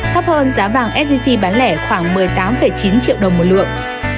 thấp hơn giá vàng sgc bán lẻ khoảng một mươi tám chín triệu đồng một lượng